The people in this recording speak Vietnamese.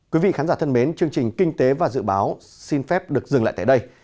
quý vị khán giả thân mến chương trình kinh tế và dự báo xin phép được dừng lại tại đây